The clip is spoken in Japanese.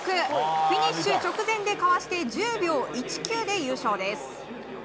フィニッシュ直前でかわして１０秒１９で優勝です。